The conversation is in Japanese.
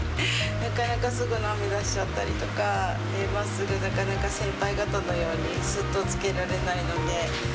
なかなかすぐ波を出しちゃったりとか、なかなか先輩方のようにすっと着けられないので。